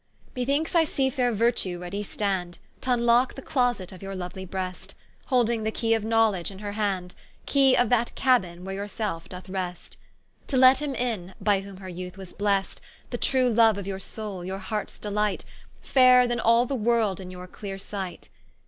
M E thinkes I see faire Virtue readie stand, T'vnlocke the closet of your louely breast, Holding the key of Knowledge in her hand, Key of that Cabbine where your selfe doth rest, To let him in, by whom her youth was blest: The true loue of your soule, your hearts delight, Fairer than all the world in your cleare sight.